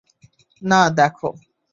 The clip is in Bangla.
না, দেখো।